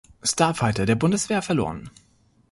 Starfighter der Bundeswehr verloren.